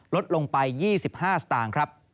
ลดลงไป๒๕สตางค์